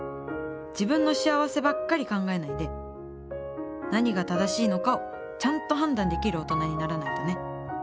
自分の幸せばっかり考えないで何が正しいのかをちゃんと判断できる大人にならないとね。